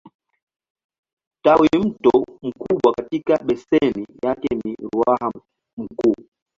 Tawimto mkubwa katika beseni yake ni Ruaha Mkuu.